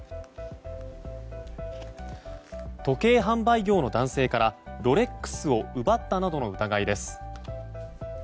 時計販売業の男性からロレックスを奪ったなどの疑いです。